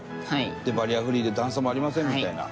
バリアフリーで段差もありませんみたいな。